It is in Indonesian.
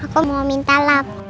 aku mau minta lap